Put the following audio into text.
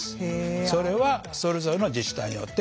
それはそれぞれの自治体によって違います。